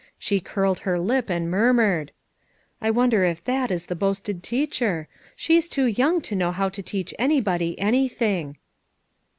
She curled her lip and murmured : "I wonder if that is the boasted teacher! She's too young to know how to teach anybody anything."